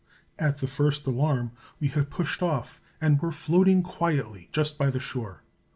At the first alarm we had pushed off and were floating quietly just by the shore.